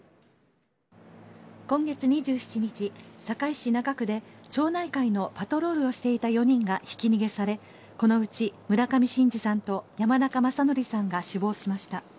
今月２７日、堺市中区で町内会のパトロールをしていた４人がひき逃げされこのうち村上伸治さんと山中正規さんが死亡しました。